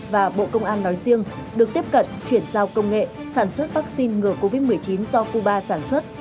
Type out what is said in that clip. và bộ công an nói riêng được tiếp cận chuyển giao công nghệ sản xuất vaccine ngừa covid một mươi chín do cuba sản xuất